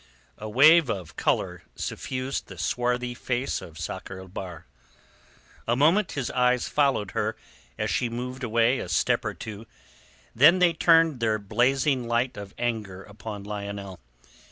A wave of colour suffused the swarthy face of Sakr el Bahr. A moment his eyes followed her as she moved away a step or two, then they turned their blazing light of anger upon Lionel.